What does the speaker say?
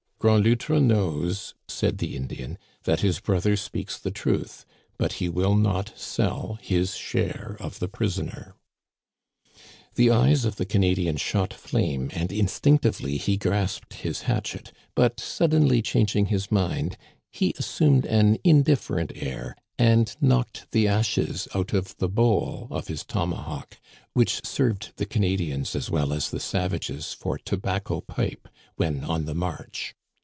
"Grand Loutre knows," said the Indian, "that his Digitized by VjOOQIC igo THE CANADIANS OF OLD. brother speaks the truth, but he will not sell his share of the prisoner." The eyes of the Canadian shot flame, and instinct ively he grasped his hatchet; but, suddenly changing his mind, he assumed an indifferent air, and knocked the ashes out of the bowl of his tomahawk, which served the Canadians as well as the savages for tobacco pipe when on the march.